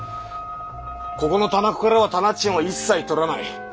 ここの店子からは店賃は一切取らない。